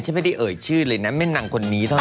ไม่ได้เอ่ยชื่อเลยนะแม่นางคนนี้เท่าไ